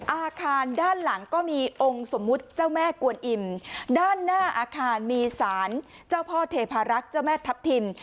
อาคารด้านหลังก็มีองค์สมมุติเจ้าแม่กวนอิ่มด้านหน้าอาคารมีสารเจ้าพ่อเทพารักษ์เจ้าแม่ทัพทิม